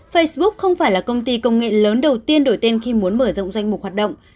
facebook không phải là công ty công nghệ lớn đầu tiên đổi tên khi muốn mở rộng danh mục hoạt động